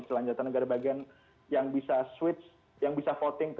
selanjutnya negara bagian yang bisa switch yang bisa voting